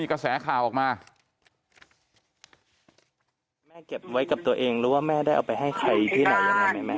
ดูตัวเองรู้ว่าแม่ได้เอาไปให้ให้ใครที่ไหนยังไงไหมแม่